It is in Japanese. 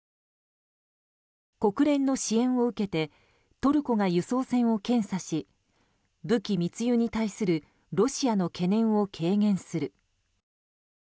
国連の支援を受けてトルコが輸送船を検査し武器密輸に対するロシアの懸念を軽減する。